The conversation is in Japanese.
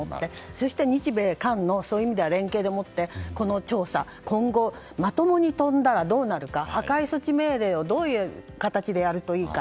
そして、日米韓の連携でもってこの調査、今後まともに飛んだらどうなるか破壊措置命令をどういう形でやるといいか。